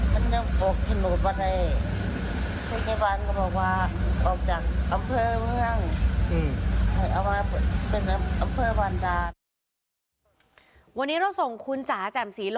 มันจะโปรดขนวดวันให้